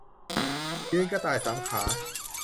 ยืนกระต่ายสามขา